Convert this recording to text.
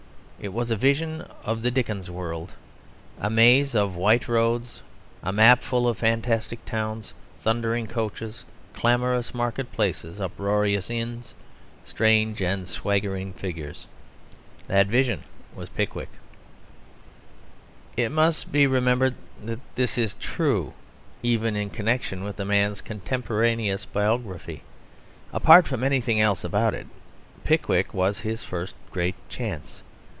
It was a vision of the Dickens world a maze of white roads, a map full of fantastic towns, thundering coaches, clamorous market places, uproarious inns, strange and swaggering figures. That vision was Pickwick. It must be remembered that this is true even in connection with the man's contemporaneous biography. Apart from anything else about it, Pickwick was his first great chance.